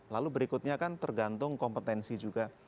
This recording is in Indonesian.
lalu berikutnya kan tergantung kompetensi juga